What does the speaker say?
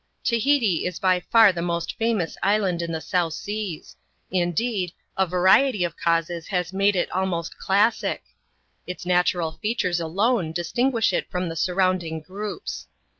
Tahiti is by far the most famous island in the South Seas ; indeed, a variety of causes has made it almost classic. Its na tural features alone distinguish it from the surrounding groups.